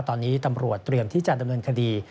ตอนนี้ตำรวจเตรียมที่จะดำเนินคดี